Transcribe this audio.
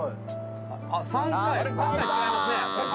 ３回違いますね。